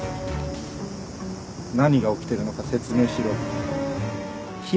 何が起きてるのか説明しろ。